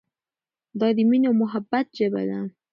دا د مینې او محبت ژبه ده.